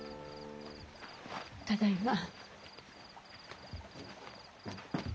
ただいま。